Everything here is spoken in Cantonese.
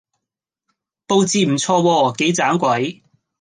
佈置唔錯喎！幾盞鬼